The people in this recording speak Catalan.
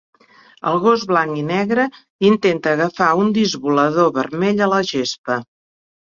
El gos blanc i negre intenta agafar un disc volador vermell a la gespa.